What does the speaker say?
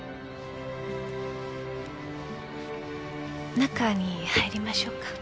中に入りましょうか？